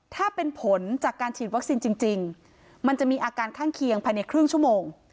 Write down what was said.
ถ้าเป็นผลจากการฉีดวัคซีนจริงมันจะมีอาการข้างเคียงภายในครึ่งชั่วโมง